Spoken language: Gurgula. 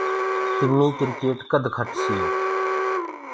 تمي ڪريٽ ڪد کٽسيو؟